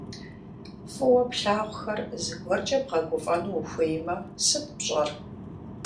Фӏыуэ плъагъухэр зыгуэркӏэ бгъэгуфӏэну ухуеймэ, сыт пщӏэр?